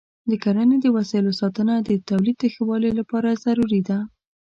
د کرنې د وسایلو ساتنه د تولید د ښه والي لپاره ضروري ده.